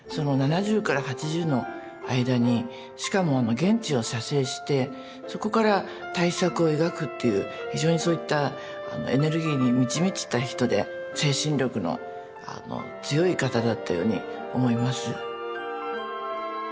７０から８０の間にしかも現地を写生してそこから大作を描くっていう非常にそういったエネルギーに満ち満ちた人で精神力の強い方だったように思います。